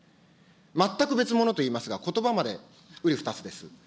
全く別物と言いますが、ことばまでうりふたつです。